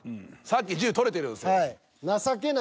さっき１０獲れてるんですよ。